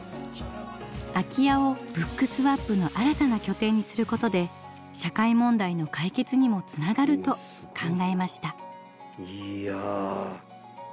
空き家をＢｏｏｋＳｗａｐの新たな拠点にすることで社会問題の解決にもつながると考えました。